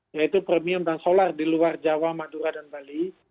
yaitu premium dan solar di luar jawa madura dan bali